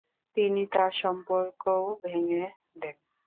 তিনি তাঁর সম্পর্কও ভেঙে দেন।